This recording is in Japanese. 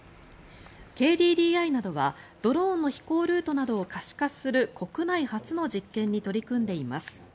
ＫＤＤＩなどは、ドローンの飛行ルートなどを可視化する国内初の実験に取り組んでいます。